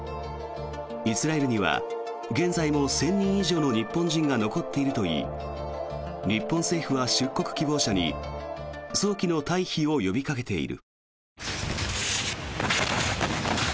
イスラエルには現在も１０００人以上の日本人が残っているといい日本政府は出国希望者に早期の退避を呼びかけている。